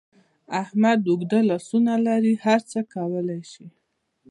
احمد اوږده لاسونه لري؛ هر څه کولای شي.